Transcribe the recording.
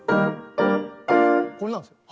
これなんですよ。